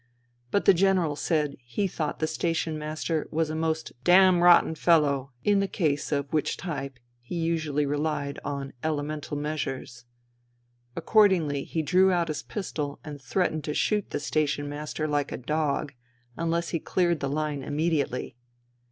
But the General said he thought the station master was a most " damrotten fellow," in the case of which type he usually relied on " elemental " measures. Accordingly he drew out his pistol and threatened to shoot the station master like a dog unless he cleared the line immediately.